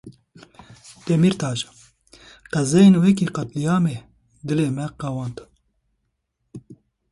Demirtaş; qezayên wekî qetlîamê dilê me kewand.